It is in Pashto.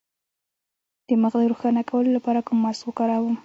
د مخ د روښانه کولو لپاره کوم ماسک وکاروم؟